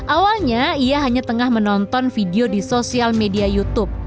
awalnya ia hanya tengah menonton video di sosial media youtube